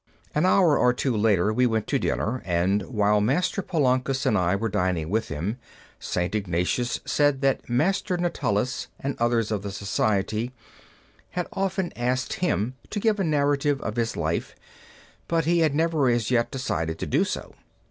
An hour or two later we went to dinner, and, while Master Polancus and I were dining with him, St. Ignatius said that Master Natalis and others of the Society had often asked him to give a narrative of his life, but he had never as yet decided to do so.